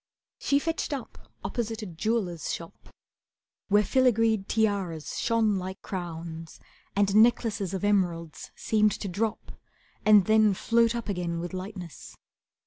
She fetched up opposite a jeweller's shop, Where filigreed tiaras shone like crowns, And necklaces of emeralds seemed to drop And then float up again with lightness.